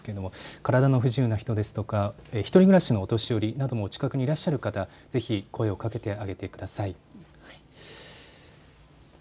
体の不自由な人ですとか１人暮らしのお年寄りなども近くにいらっしゃる方、ぜひ声をかけてあげてください。